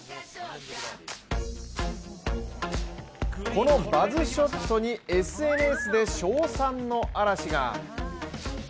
このバズショットにＳＮＳで賞賛の嵐が。